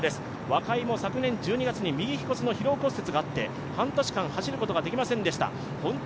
若井も昨年１２がつに疲労骨折があって半年間走ることができませんでした。